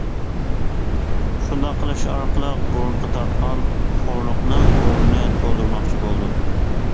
شۇنداق قىلىش ئارقىلىق بۇرۇنقى تارتقان خورلۇقنىڭ ئورنىنى تولدۇرماقچى بولدۇم!